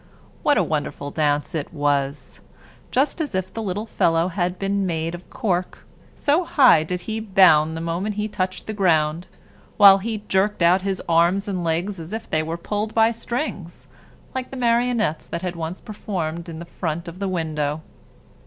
What a wonderful dance it was, just as if the little fellow had been made of cork, so high did he bound the moment he touched the ground; while he jerked out his arms and legs as if they were pulled by strings, like the Marionettes that had once performed in the front of the window.